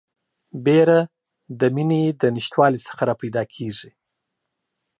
بیره د میني د نشتوالي څخه راپیدا کیږي